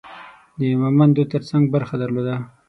د مومندو ترڅنګ برخه درلوده.